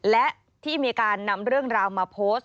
และที่มีการนำเรื่องราวมาโพสต์